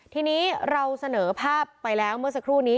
ทีนี้เราเสนอภาพไปแล้วเมื่อสักครู่นี้